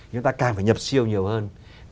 chúng ta càng phải nhập siêu nhiều hơn